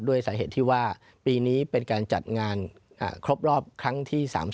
สาเหตุที่ว่าปีนี้เป็นการจัดงานครบรอบครั้งที่๓๐